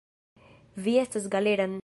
Vi estas Galeran.